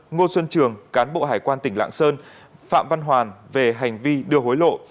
ngô xuân trường cán bộ hải quan tỉnh lạng sơn phạm văn hoàn về hành vi đưa hối lộ